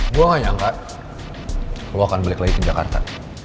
lo akan balik lagi ke jakarta